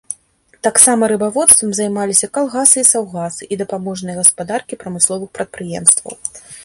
Таксама рыбаводствам займаліся калгасы і саўгасы і дапаможныя гаспадаркі прамысловых прадпрыемстваў.